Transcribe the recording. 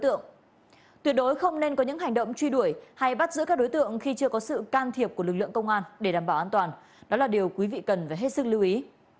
tuyệt đối không nên có những hành động truy đuổi hay bắt giữ các đối tượng khi chưa có sự can thiệp của lực lượng công an để đảm bảo an toàn đó là điều quý vị cần phải hết sức lưu ý